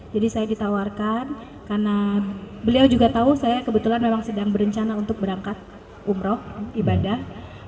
jadi saya ditawarkan karena beliau juga tahu saya kebetulan memang sedang berencana untuk berangkat umroh ibadah